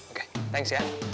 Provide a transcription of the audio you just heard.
oke thanks ya